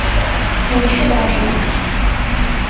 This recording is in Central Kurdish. هەمیشە باشیت.